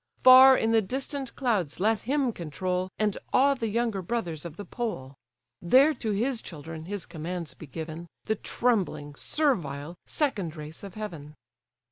Far in the distant clouds let him control, And awe the younger brothers of the pole; There to his children his commands be given, The trembling, servile, second race of heaven."